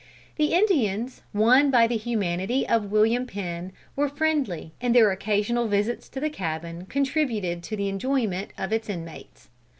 The Indians, won by the humanity of William Penn, were friendly, and their occasional visits to the cabin contributed to the enjoyment of its inmates.